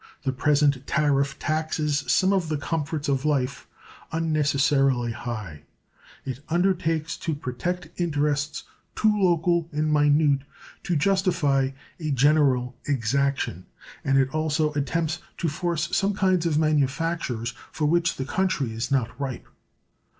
The present tariff taxes some of the comforts of life unnecessarily high; it undertakes to protect interests too local and minute to justify a general exaction, and it also attempts to force some kinds of manufactures for which the country is not ripe.